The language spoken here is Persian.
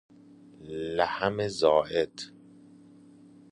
لحم زائد